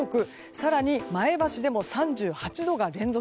更に、前橋でも３８度が連続。